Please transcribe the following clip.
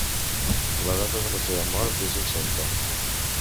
La data de la seva mort és incerta.